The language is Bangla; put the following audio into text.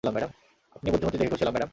আপনি বুদ্ধিমতী দেখে খুশি হলাম, ম্যাডাম।